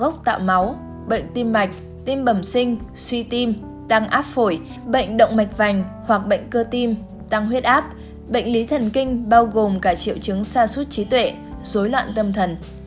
hoặc cấy ghép tế bào gốc tạo máu bệnh tim mạch tim bẩm sinh suy tim tăng áp phổi bệnh động mạch vành hoặc bệnh cơ tim tăng huyết áp bệnh lý thần kinh bao gồm cả triệu chứng sa sút trí tuệ dối loạn tâm thần